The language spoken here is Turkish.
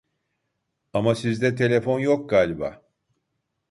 Ama sizde telefon yok galiba